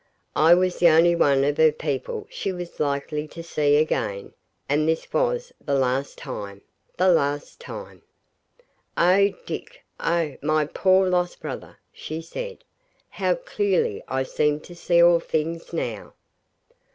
I was the only one of her people she was likely to see again, and this was the last time the last time. 'Oh, Dick! oh, my poor lost brother,' she said, 'how clearly I seem to see all things now.